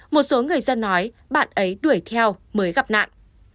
một số người dân nói bạn ấy đuổi theo mới gặp nạn